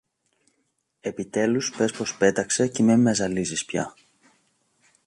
Επιτέλους πες πως πέταξε και μη με ζαλίζεις πια